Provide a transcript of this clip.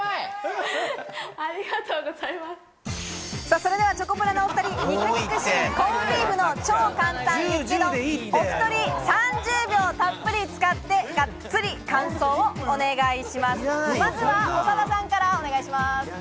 それではチョコプラのお２人、肉肉しいコンビーフの超簡単ユッケ丼、お一人３０秒たっぷり使って、ガッツリ感想お願いします。